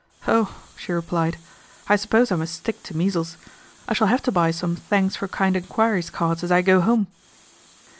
Oh !" she replied, " I suppose I must stick to measles. I shall have to buy some thanks for kind enquiries cards as I go home."